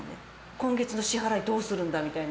「今月の支払いどうするんだ」みたいな。